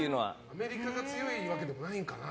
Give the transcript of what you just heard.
アメリカが強いわけでもないんかな。